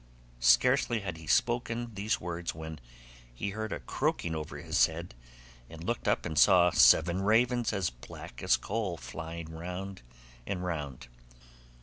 Scarcely had he spoken these words when he heard a croaking over his head, and looked up and saw seven ravens as black as coal flying round and round.